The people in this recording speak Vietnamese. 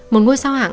một ngôi sao hạng a